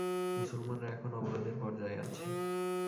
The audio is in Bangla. মুসলমানরা এখন অবরোধের পর্যায়ে আছে।